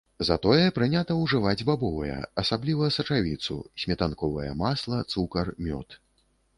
Затое прынята ўжываць бабовыя, асабліва сачавіцу, сметанковае масла, цукар, мёд.